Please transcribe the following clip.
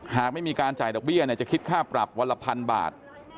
หากไม่มีการจ่ายดอกเบี้ยจะคิดค่าปรับวันละพันบาท